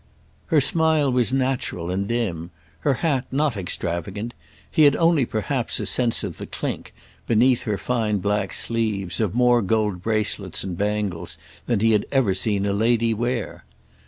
Her smile was natural and dim; her hat not extravagant; he had only perhaps a sense of the clink, beneath her fine black sleeves, of more gold bracelets and bangles than he had ever seen a lady wear.